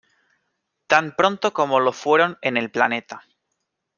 Tan pronto como lo fueron en el planeta.